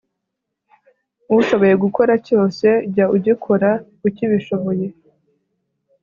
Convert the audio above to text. ushoboye gukora cyose, jya ugikora ukibishoboye,